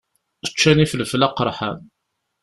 Ččan ifelfel aqeṛḥan.